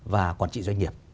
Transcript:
và quản trị doanh nghiệp